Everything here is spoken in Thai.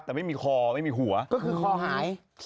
แต่ไม่มีคอไม่มีหัวขอหาย